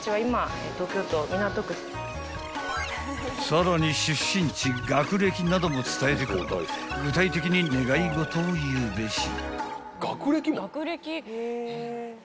［さらに出身地学歴なども伝えてから具体的に願い事を言うべし］